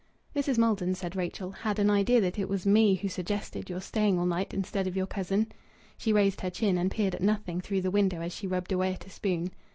"Mrs. Maldon," said Rachel, "had an idea that it was me who suggested your staying all night instead of your cousin." She raised her chin, and peered at nothing through the window as she rubbed away at a spoon.